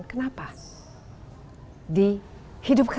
mengenai apa sih sebenarnya asing karawitan indonesia